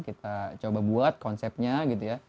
kita coba buat konsepnya gitu ya